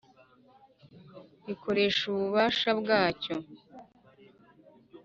gikoresha ububasha bwacyo